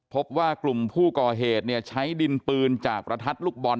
พบว่ากลุ่มผู้ก่อเหตุเนี่ยใช้ดินปืนจากประทัดลูกบอล